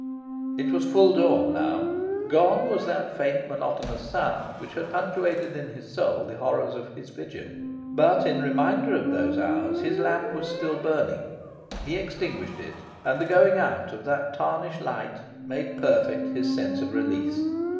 It was full dawn now. Gone was that faint, monotonous sound which had punctuated in his soul the horrors of his vigil. But, in reminder of those hours, his lamp was still burning. He extinguished it; and the going out of that tarnished light made perfect his sense of release.